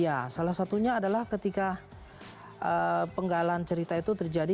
ya salah satunya adalah ketika penggalan cerita itu terjadi